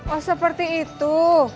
oh seperti itu